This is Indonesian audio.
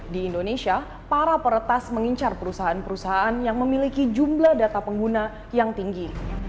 di indonesia para peretas mengincar perusahaan perusahaan yang memiliki jumlah data pengguna yang tinggi